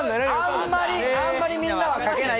あんまり、みんなはかけない。